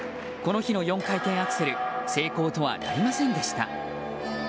この日の４回転アクセル成功とはなりませんでした。